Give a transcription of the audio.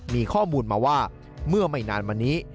มีข้อมูลมาว่าเมื่อไม่นานมานี้